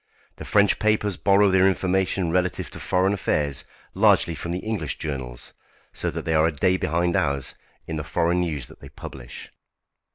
The French papers borrow their information relative to foreign affairs largely from the English journals, so that they are a day behind ours in the foreign news that they publish.